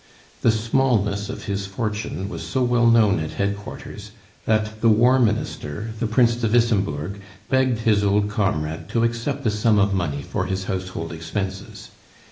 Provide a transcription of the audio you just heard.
The smallness of his fortune was so well known at headquarters, that the War Minister, the Prince de Wissembourg, begged his old comrade to accept a sum of money for his household expenses.